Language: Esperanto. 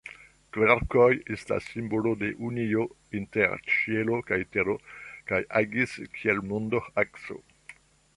Kverkoj estas simbolo de unio inter ĉielo kaj tero kaj agis kiel mondo-akso.